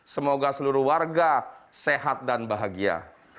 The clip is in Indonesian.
semoga seluruh warga sehat dan bahagia